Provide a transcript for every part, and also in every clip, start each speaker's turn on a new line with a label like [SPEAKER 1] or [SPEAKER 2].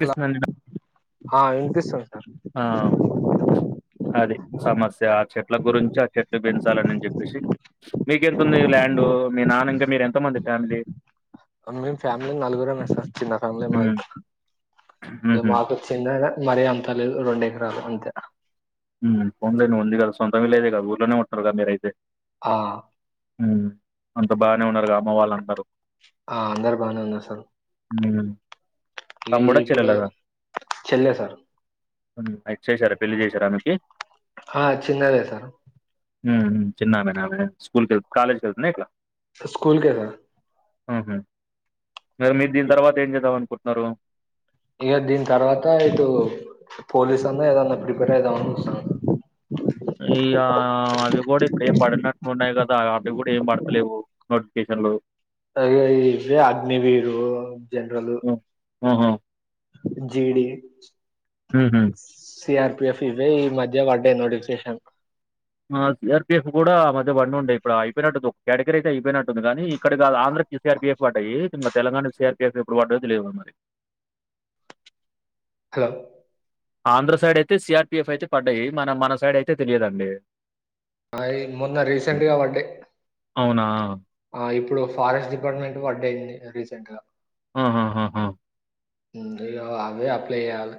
[SPEAKER 1] Hello
[SPEAKER 2] పిస్తుందండి
[SPEAKER 1] ఆ ఏ కిస్ఒ
[SPEAKER 2] ఆ! చాకెట్లు పెంచాలని అని చెప్పేసి, మీకెతుంది ల్యాండు మీ నాన్న ఇంకా మీరు ఎంతమంది ఫ్యామిలీ
[SPEAKER 1] మేము ఫ్యామిలీ నలుగురమేసార్ చిన్న ఫ్యామిలీ మాది
[SPEAKER 2] హ్మ్.
[SPEAKER 1] ఇ
[SPEAKER 2] హుహు.
[SPEAKER 1] మాకు చినదే మరి అంతా లేదు రెండు ఎకరాలు అం
[SPEAKER 2] ఉ పోన్లే ఉంది కదా సొంతమిల్లెద కదా ఊర్లోనే ఉంటరు కదా మీరయితే
[SPEAKER 1] ఆ
[SPEAKER 2] ఉ అంత బానే ఉన్నరుగా అమ్మ వాళ్ళందరూ
[SPEAKER 1] ఆ అందరు బానే ఉన్నరు సరు
[SPEAKER 2] ఉ
[SPEAKER 1] ఇగ ఇప్పుడు చెల్లె సార్
[SPEAKER 2] ఉ ఐ చేసారా పెళ్లి చేసారా
[SPEAKER 1] ఆ చిన్నది సారొ
[SPEAKER 2] చిన్నామనామె స్కూల్కి ఎల్ కాలజ్కి ఎలుతుంద ఎట్లా
[SPEAKER 1] స్కూల్ ఎల
[SPEAKER 2] ఆహ మరి మీరు దీని తర్వాత ఏం చేద్దామనుకుంట్నారు.
[SPEAKER 1] ఇక దీని తర్వాత ఇటు పోలీస్ అన్నా ఏదన్నా ప్రిపేర్ అయిదామని చు
[SPEAKER 2] ఈగ వొడి ఇప్పుడు ఏం పడినట్టు ఉండాయ్ క లాగ అవి కూడా ఏం పడతలేవు నోటిఫికేషన్లు
[SPEAKER 1] తే ఇవే అగ్నివీరు జన్రలు
[SPEAKER 2] ఆహా!
[SPEAKER 1] జీడి
[SPEAKER 2] హ్మ్ హ్మ్మ్
[SPEAKER 1] సీఆర్పీఎఫ్ ఇవే ఈ మధ్య పడ్డే నోటిఫికేషన్
[SPEAKER 2] హా సిఆర్పిఎఫ్ కూడా మధ్య వండి ఉండేయి ఇప్పుడు అయిపోయినట్టు ఒక కేటగిరీ అయితే అయిపోయినట్టుంది కానీ ఇక్కడ కాదు ఆంధ్రకి సిఆర్పిఎఫ్ పడ్డాయికా తెలంగాణ సిఆర్పిఎఫ్ ఎప్పుడు పడయో తేలేదు మరి
[SPEAKER 1] హలో [unintelligible]
[SPEAKER 2] ఆంధ్ర సైడ్ అయితే సిఆర్పిఎఫ్ అయితే పడ్డాయి మన మన సైడ్ అయితే తెలియదండి
[SPEAKER 1] అ మొన్న రీసెంట్
[SPEAKER 2] హ్మ్.
[SPEAKER 1] గా పడ్డే
[SPEAKER 2] అవునా?
[SPEAKER 1] ఆ ఇప్పుడు ఫారెస్ట్ డిపార్ట్మెంట్ పాడై రీసెంట్ గ
[SPEAKER 2] హా హ హహ
[SPEAKER 1] అవి అప్లై చేయాలా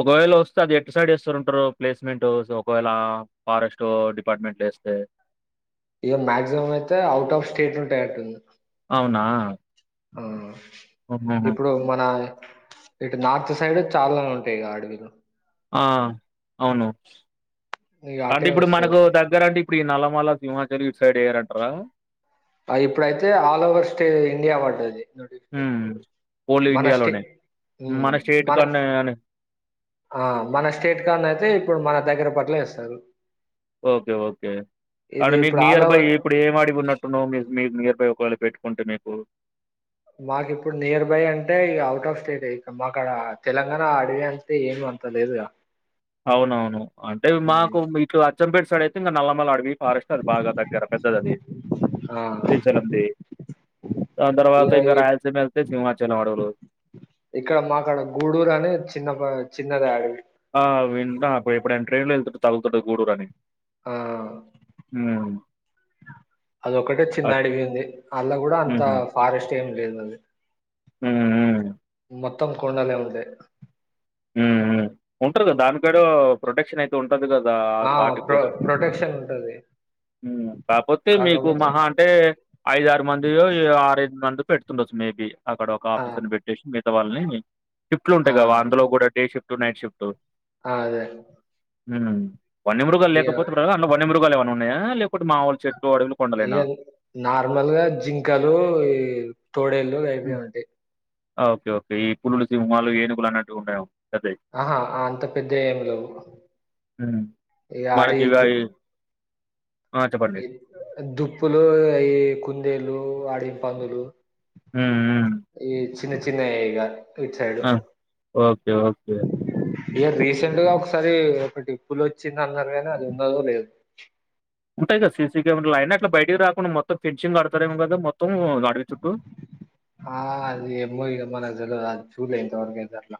[SPEAKER 2] ఒకవేళ వస్తే అది ఎట్ సైడ్ వేస్తారు ఉంటారు ప్లేస్మెంట్ ఒకవేళ ఫారెస్ట్ డిపార్ట్మెంట్లు వేస్తే
[SPEAKER 1] ఇకో మాయాక్సిమం అయితే అవుట్ ఆఫ్ స్టేట్ ఉంటాయి అట్టుంది
[SPEAKER 2] అవునా?
[SPEAKER 1] ఆ
[SPEAKER 2] హుహుహు.
[SPEAKER 1] ఇప్పుడు మన ఇటు నార్త్ సైడ్ చాలానే ఉంటాయి అడవిలు
[SPEAKER 2] ఆ అవును
[SPEAKER 1] ఇగ
[SPEAKER 2] అంటే
[SPEAKER 1] అటే
[SPEAKER 2] ఇప్పుడు
[SPEAKER 1] వస్తది.
[SPEAKER 2] మనకు దగ్గర అంటే ఇప్పుడు ఈ నలమల సింహచల్ల ఇటు సైడ్ ఏరంట రా
[SPEAKER 1] ఆ ఇప్పుడైతే ఆల్ ఓవర్ స్టే ఇండియా పడది
[SPEAKER 2] హ్మ్.
[SPEAKER 1] నోటిఫికేషన్
[SPEAKER 2] ఓన్లీ
[SPEAKER 1] మన స్టే
[SPEAKER 2] ఇండియాలోనే.
[SPEAKER 1] హ్మ్మ్
[SPEAKER 2] మన స్టేట్ కన్నా అని
[SPEAKER 1] మన స్టేట్ క అయితే ఇప్పుడు మన దగ్గర అట్లే వేస్తారు
[SPEAKER 2] ఓకే ఓకే కానీ మీకు
[SPEAKER 1] ఆల్
[SPEAKER 2] నియర్ బై
[SPEAKER 1] ఓవర్
[SPEAKER 2] ఇప్పుడు ఏం అడిపోబుల్ ఇప్పుడు నువు మి నేర్బుయ్ బై ఒకవేళ పెట్టుకుంటే మీకు
[SPEAKER 1] మాకు ఇప్పుడు నియర్ బై అంటే ఇగ అవుట్ ఆఫ్ స్టేట్ యే ఇక మాక్కడ తెలంగాణ అడివి అంతే ఏమి అంత లేదు
[SPEAKER 2] అవును అవును అంటే మాకు మీతొ అచ్చంపేట్ ఇటు సైడ్ ఐతే ఇంగ నల్లమల అడవి ఫారెస్ట్ అది బాగా దగ్గర పెద్దది అది
[SPEAKER 1] ఆ
[SPEAKER 2] శ్రీశైలం ది దాని తర్వాత
[SPEAKER 1] ఇగ
[SPEAKER 2] ఇంకా
[SPEAKER 1] ఇక్
[SPEAKER 2] రాయలసీమ వెళ్తే సింహచలం అడవులు
[SPEAKER 1] ఇక్కడ మాకాడ గూడూరు అని చిన్న ప చిన్నది అడవి
[SPEAKER 2] ఆ వింటా అపుడు ఎపుడైనా ట్రైన్ లో వెళ్తుంటే తగుల్తుంటది గూడూరు అని
[SPEAKER 1] హా
[SPEAKER 2] హ్మ్.
[SPEAKER 1] అదొ ఒకటే చిన్న
[SPEAKER 2] అట్
[SPEAKER 1] అడిగి ఉంది అలా కూడా అంత
[SPEAKER 2] హుహు.
[SPEAKER 1] ఫారెస్ట్ ఏమి లేదు అదు [unintelligible]
[SPEAKER 2] హ్మ్ హ్మ్
[SPEAKER 1] మొత్తం కొండాలే ఉండే
[SPEAKER 2] హ్మ్ హ్మ్ ఉంటారు కదా దానికడ ప్రొటెక్షన్ అయితే ఉంట ఉంటది కదా ఆ వాటికి
[SPEAKER 1] ప్రొ
[SPEAKER 2] కూడా
[SPEAKER 1] ప్రొటెక్షన్ ఉంటది
[SPEAKER 2] మ్ కాపోతే మీకు
[SPEAKER 1] కాకపోతే
[SPEAKER 2] మహా అంటే ఐదారు మందియో ఏ ఆరు ఐదు మంది పెడుతుండొచ్చు మేబి అక్కడ ఒక
[SPEAKER 1] ఆ
[SPEAKER 2] ఆఫీసర్ ని పెట్టేసి తోవల్ని టిప్లు
[SPEAKER 1] ఆ
[SPEAKER 2] ఉంటాయి కదా అందలో డే షిఫ్ట్ నైట్ షిఫ్ట్
[SPEAKER 1] ఆ అదే
[SPEAKER 2] హోమ్ వన్య మృగాలు
[SPEAKER 1] ఇగ
[SPEAKER 2] లేకపోతే దాన్లో వన్య మృగాలు ఏమనున్నయా లేడు మాములు చె
[SPEAKER 1] ఇ నార్మల్గా జింకలు ఈ తోడేళ్ళ
[SPEAKER 2] హ్మ్.
[SPEAKER 1] అయిపోయిమంటే
[SPEAKER 2] ఓకే ఓకే ఈ పులులు సింహాలు ఏనుగులు అన్నటివి ఉండవు
[SPEAKER 1] ఆహా అంత పెద్ద ఏమి లేవు
[SPEAKER 2] హ్మ్.
[SPEAKER 1] ఈ ఆడి
[SPEAKER 2] మనకిగా
[SPEAKER 1] తూ
[SPEAKER 2] ఇప్పుడు ఈ ఆ! చెప్పండి.
[SPEAKER 1] దుప్పులు అవి కుందేలు అడవి పందులు
[SPEAKER 2] ఓ ఓ
[SPEAKER 1] ఈ చిన్న చిన్న ఈగ
[SPEAKER 2] ఆ ఓకే ఓకే
[SPEAKER 1] ఇక రీసెంట్ గా ఒకసారి ఒకటి పులి వచ్చింది అన్నరు కానీ అది ఉన్నదో లేదో
[SPEAKER 2] ఉంటయి సర్ సిసీ కెమెరాలు అయినా అట్లా బయట రాకుండా మొత్తం ఫెన్సింగ్ కడతారేమో కదా మొత్తం అడవి చుట్టూ?
[SPEAKER 1] ఆ అది ఏమో ఈడ మనకు తెలవదది చూల్లె ఇంతవరకైతే అట్లా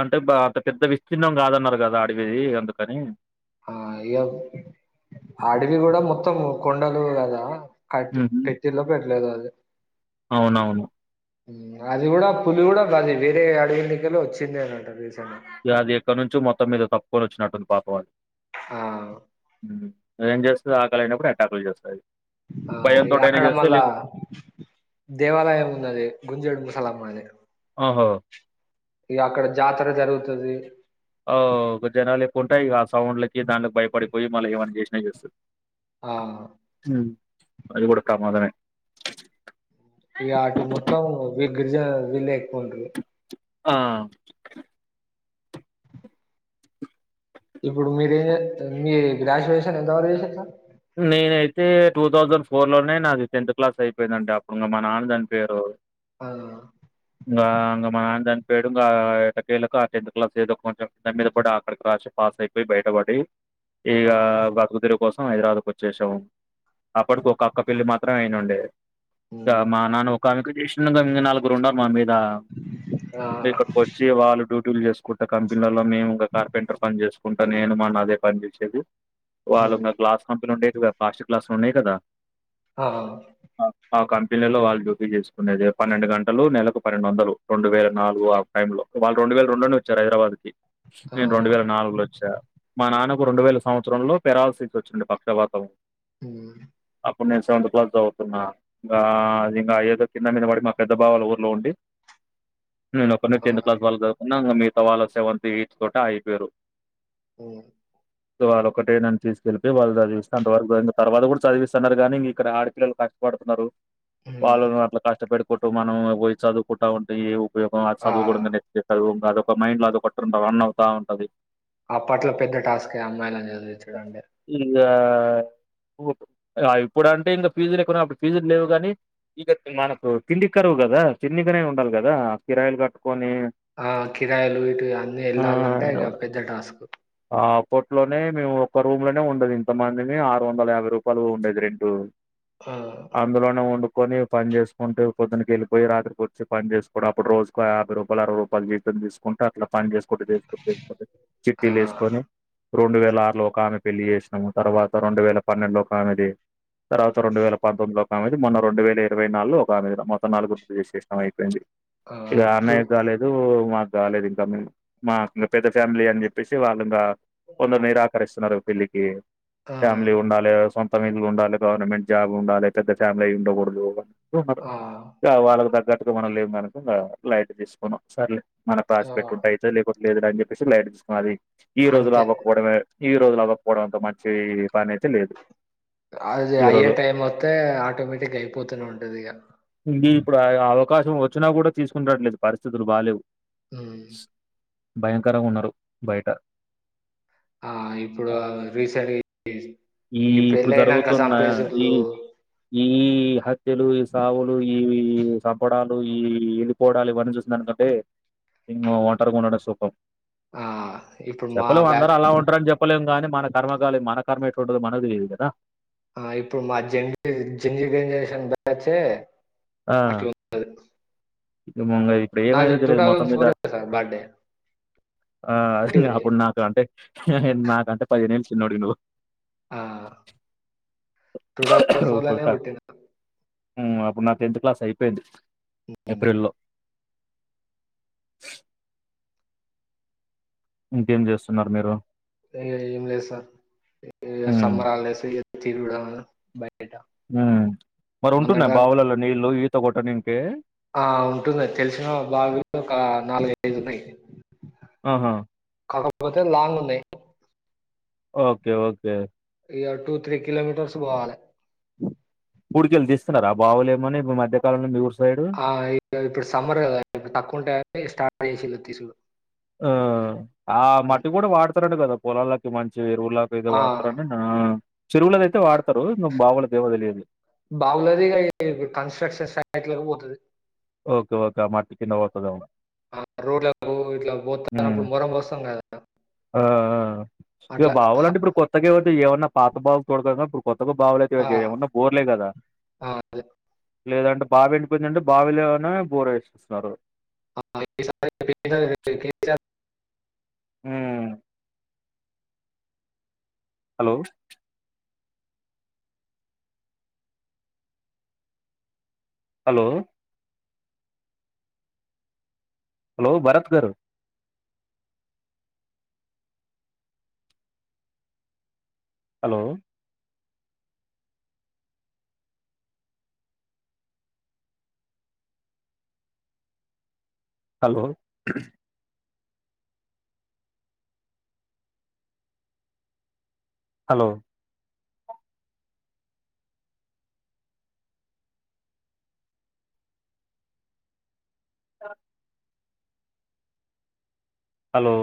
[SPEAKER 2] అంటే బ అంత పెద్ద విస్తీర్ణం కాదన్నరు కదా అడవి అందుకని
[SPEAKER 1] ఆ ఇ ఆడవి కూడా మొత్తం కొండలు కదా కట్టి
[SPEAKER 2] ఉహు.
[SPEAKER 1] పెట్టిల్లో పెట్టలేదో అది
[SPEAKER 2] అవునవును
[SPEAKER 1] అది కూడా పులి కూడా అది వేరే అడవిలో కెళ్ళి వచ్చిందేనట రీసెంట్గ
[SPEAKER 2] ఇక అది ఎక్కడ నుంచో మొత్తం మీద తప్పుకొని వచ్చినట్టుంది పాపం అది
[SPEAKER 1] ఆ
[SPEAKER 2] అదేం చేస్తది ఆకలైనప్పుడు అటాకులు చేస్తది
[SPEAKER 1] ఆ అది
[SPEAKER 2] భయంతోటైనా
[SPEAKER 1] అక్కడ
[SPEAKER 2] చేస్తది
[SPEAKER 1] మళ్ళా
[SPEAKER 2] లేక
[SPEAKER 1] దేవాలయం ఉన్నది గుంజడు సల మ
[SPEAKER 2] ఆహో
[SPEAKER 1] ఇక అక్కడ జాతర జరుగుతది
[SPEAKER 2] ఓ గు జనాల కుంటాయిక ఆ సౌండ్లకి దాన్లకి భయపడిపోయి మళ్ళ ఏమైన చేసినా చేస్తది
[SPEAKER 1] ఆ
[SPEAKER 2] హ్మ్. అది కూడా కూడా ప్రమాదమే
[SPEAKER 1] ఇక ఆటు మొత్తం వి గిరిజ వీళ్లే ఎక్కువుంటరు
[SPEAKER 2] ఆ
[SPEAKER 1] ఇప్పుడు మీరేం చేతారు మీ గ్రాడ్యుయేషన్ ఎంతవరకు చేసిర్రు
[SPEAKER 2] నేనైతే టూ థౌజండ్ ఫోర్ లోనే నాది టెన్త్ క్లాస్ అయిపోయిందండి. అప్పుడు మా నాన్న చనిపోయిండు.
[SPEAKER 1] ఆ
[SPEAKER 2] ఇగా మా నాన్న చనిపో పేడుకా ఎట్టా కెలాకు ఆ టెన్త్ క్లాస్ ఏదో కొంచం దగ్గర పడి అక్కడికి రాసి పాస్ అయిపోయి, బయటపడి
[SPEAKER 1] ఆ
[SPEAKER 2] ఇగా బతుకు తెరువు కోసం హైదరాబాద్ వచ్చేసాం. అప్పటికి ఒక అక్క పెళ్ళి మాత్రమే అయినుండే ఇగా
[SPEAKER 1] మ్
[SPEAKER 2] మా నాన్న తనకు [unintelligible] నాలుగురు ఉండమ్ మేమ్
[SPEAKER 1] ఆ
[SPEAKER 2] ఇక్కడికి వచ్చి వాళ్ళు డ్యూటీలు చేసు కొత్త కంపెనీలలో మేము ఒక కార్పెంటర్ పని చేసుకుంటా నేను మా నాన్న అదే పని చేసేది. వాళ్ళ
[SPEAKER 1] మ్
[SPEAKER 2] దా గ్లాస్ పాస్టిక్ గ్లాస్ లు ఉన్నాయి కదా
[SPEAKER 1] ఆ ఆ
[SPEAKER 2] ఆ కంపెనీలో వాళ్ళు డ్యూటీ చేసుకునేది. పన్నెండు గంటలు నెలకు పన్నెండు వందలు, రెండు వేల నాలుగు ఆ టైంలో వాళ్ళు రెండు వేల రెండు లోనే వచ్చారు. హైదరాబాద్ కి
[SPEAKER 1] ఆ
[SPEAKER 2] నేను రెండు వేల నాలుగులో వచ్చా. మా నాన్న రెండు వేల సంవత్సరం లో పెరాల్సిస్ వచ్చింది. మాకు పక్షవాతము
[SPEAKER 1] హ్మ్
[SPEAKER 2] అప్పుడు నేను సెవెంత్ క్లాస్ చదువుతున్నా. ఇగా ఇగ ఏదో కింద మీద పడి మా పెద్ద బావాలు ఊర్లో ఉండి. నేను ఒకన్నే టెన్త్
[SPEAKER 1] ఆ
[SPEAKER 2] క్లాస్ వరకు చదువుకొని [unintelligible] మిగతా వాళ్ళు సెవెంత్ ఎయిట్ తోటే అగిపోయింళ్ళు
[SPEAKER 1] హ్మ్
[SPEAKER 2] సో ఆడు ఒకటే నన్ను తీసుకెళ్ళిపేయ్ వాళ్ళు తెలిసినంత వరకు ఇంకా తర్వాత కూడా చదివిస్తానన్నారు. కానీ ఇక్కడ ఆడపిల్లలు కష్టపడుతున్నారు.
[SPEAKER 1] మ్
[SPEAKER 2] వాళ్ళను అట్లా కష్టపెడు ఇప్పుడు మనం పోయి చదువుకుంటా వుంటెయ్ రేపు ఆ చదువు కూడా [unintelligible] ఒక మైండ్ లో అది ఒకటి రన్ అవుతా ఉంటది.
[SPEAKER 1] ఆప్పట్లో పెద్ద టాస్కీయే అమ్మాయిలాని చదివించుడంటే
[SPEAKER 2] ఇగా ఇప్పుడు అంటే ఇంకా ఫీజులు ఎక్కువన్నా అప్పుడు ఫీజులు లేవు. కానీ ఇక మనకు తిండి కరువు కదా తిండికినే ఉండాలి. కదా కిరాయిలు టు
[SPEAKER 1] ఆ కిరాయిలు ఇటు అన్ని
[SPEAKER 2] ఆ
[SPEAKER 1] వెళ్లాలంటే ఇగా పెద్ద టాస్క్
[SPEAKER 2] కోట్ లోనే మేము ఒక్క రూమ్ లోనే ఉండుడు ఇ కొంతమందిని ఆరు వందల యాభై రూపాయలు ఉండేది. రెంటు
[SPEAKER 1] ఆ
[SPEAKER 2] అందులోనే వండు కొని పని చేసుకుంటే పోద్దున్నకు యేళ్ళిపోయి రాత్రి వచ్చి పని చేసుకోని అప్పుడు రోజుకు యాభై రూపాయలు, అరవై రూపాయలు జీతం తీసుకుంటా అట్లా పని చేస్ [unintelligible]
[SPEAKER 1] ఆ
[SPEAKER 2] చిట్టీలు యేసుకొని రెండు వేల ఆరులో ఒక ఆమె పెళ్ళి చేసినాము తర్వాత రెండు వేల పన్నెండు కామిది తర్వాత రెండు వేల పొమ్మిలో ఒకది మొన్న రెండు వేల ఇరవై నగులో ఒక మొం నాలుగు గుర్తు చేసేష్టం అయిపోయింది
[SPEAKER 1] ఆ
[SPEAKER 2] ఇక
[SPEAKER 1] టు
[SPEAKER 2] అన్నయ్య కాలేదు రాలేదు ఇంకా మా ఇంకా పెద్ద ఫ్యామిలీ అని చెప్పేసి వాళ్ళు ఇంకా వంద నిరాకరిస్తున్నారుపిలికి ఏ
[SPEAKER 1] ఆ
[SPEAKER 2] ఫ్యామిలీ ఉండాలే కొమీలు ఉండాలి గవర్నమెంట్ జాబ్ ఉండాలే పెద్ద ఫ్యామిలీ ఉండకూడదు.
[SPEAKER 1] ఆ
[SPEAKER 2] వాళ్ళకు దగ్గర పు మనం లేము కనుక ఇంకా లైట్ తీసుకున్నాం సర్లేదు మన కాస్
[SPEAKER 1] ఆ
[SPEAKER 2] పెట్టుంటా అయితే లేకపోతే లేదు అని చెప్పేసి లైట్ తీసుకున్న అది ఈ రోజులు
[SPEAKER 1] అంతే
[SPEAKER 2] అవ్వకపోవడమే ఈ లపోవ అంత మాట చై
[SPEAKER 1] అది అయ్యే
[SPEAKER 2] రోజు
[SPEAKER 1] టైం వస్తే ఆటోమేటిక్ అయిపోతూనే ఉంటది ఇక
[SPEAKER 2] ఇది ఇప్పుడు అవకాశం వచ్చినా కూడా తీసుకుంటట్లేదు పరిస్థితులు బాలేవు
[SPEAKER 1] మ్మ్
[SPEAKER 2] భయంకరంగా ఉన్నారు బయట
[SPEAKER 1] ఆ ఇప్పుడు రీసెంట్లి ఇ ఈ పెళ్ళయినాంక సంపేసుళ్ళు
[SPEAKER 2] ఈహ త్యలు ఈ సావులు ఈ సంపడాలు ఇప్పుడు ఈ ఎళ్లిపోవడాలి ఇవన్నీ చూసుందానికంటే ఇంగ ఒంటరిగా ఉండడం సుఖం
[SPEAKER 1] ఆ ఇప్పుడు మా బ్యా
[SPEAKER 2] ప్పలేం కాని మన కర్మకు కాలి మనకర్మెట్టుంటదో మనకు తెలీదు కదా
[SPEAKER 1] ఆ ఇప్పుడు మా [unintelligible] బ్యాచ్చే
[SPEAKER 2] ఆ ఇ ముంగ ఇప్పుడు
[SPEAKER 1] నాది
[SPEAKER 2] ఏమైందో తెలియదు మొత్తం మీద
[SPEAKER 1] సార్ బర్త్‌డే
[SPEAKER 2] ఆ
[SPEAKER 1] పుట్టింది.
[SPEAKER 2] అప్పుడు నాక అంటే నాకంటే పదిహేను ఏళ్లు. చిన్నోడివి నువు
[SPEAKER 1] ఆ టూ థౌసండ్ ఫోర్
[SPEAKER 2] ఇప్పుడు
[SPEAKER 1] లోనే
[SPEAKER 2] క
[SPEAKER 1] పుట్టినా
[SPEAKER 2] హ్మ్ అప్పుడ్ నా టెన్త్ క్లాస్ అయిపోయింది
[SPEAKER 1] హ్మ్.
[SPEAKER 2] ఏప్రి లో ఇంకేం చేస్తున్నారు మీరు
[SPEAKER 1] ఇగ ఏం లేదు సార్ ఏ
[SPEAKER 2] హ్మ్.
[SPEAKER 1] సమ్మర్ హాలీడేస్ తినుడ బయ
[SPEAKER 2] మరి ఉంటున్నాయా బావులలో నీళ్ళలు ఇత ఇత కొట్టానికి
[SPEAKER 1] ఆ ఉంటునాది తెలిసిన బావులు ఒక నాలుగై ఐదు ఉన్నాయి
[SPEAKER 2] ఆహా
[SPEAKER 1] కాకపోతే లాంగ్ ఉన్నాయి
[SPEAKER 2] ఓకే ఓకే
[SPEAKER 1] ఇగ టూ త్రీ కిలోమీటర్స్ పోవాలి
[SPEAKER 2] పుడికెళ్ళ తీస్తున్నార ఆ బావలేమన్న ఇప్పుడు మధ్యకాలంలో మీరు ఊరు సైడు?
[SPEAKER 1] ఆ ఇప్పుడు సమ్మర్ కదా ఇప్పుడు తక్కువ ఉంటయీ అని స్టార్ట్ చేసిళ్ళు తీసుడు
[SPEAKER 2] ఆ ఆ మట్టి కూడా వాడతారంట కదా పొలలకి కి చెరువులాదతే
[SPEAKER 1] ఆ!
[SPEAKER 2] వాడతారుని చెరువులద అయితే వాడతారు ఇంగ బావులది దేమో తెలువది
[SPEAKER 1] బావులది కన్స్ట్రక్షన్ ఇగ కన్స్ట్రక్షన్ సైట్లకు పోతది
[SPEAKER 2] ఓకే ఓకే ఆ మాటికిింద పోతాడేమో
[SPEAKER 1] ఆ! రోడ్లకు ఇట్లా పోత్తన్నప్పుడు మొరం పోస్తాం గదా!
[SPEAKER 2] ఆ ఇక
[SPEAKER 1] అట్లా
[SPEAKER 2] బావాలంటే
[SPEAKER 1] హ-
[SPEAKER 2] ఇప్పుడు కొత్తగా ఏవైతే ఏమన్నా పాత బావులు చూడతా ఇప్పుడు ఎకు
[SPEAKER 1] ఆ!
[SPEAKER 2] బాగులేదుయ ఉన్న బోర్లే కదా
[SPEAKER 1] ఆ! అదే.
[SPEAKER 2] లేదంట బావి ఎడియిందడి బావి బావి లోనే బోర వేసేస్తున్నారు
[SPEAKER 1] ఆ! ఈసారి
[SPEAKER 2] హు హలో హలో హలో భరత్ గారు హలో హలో హలో ఆ హలో